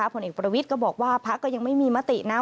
พลเอกประวิตรบอกว่าภักดิ์ก็ยังไม่มีมตินะ